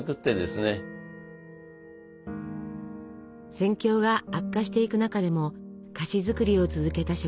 戦況が悪化していく中でも菓子作りを続けた職人たち。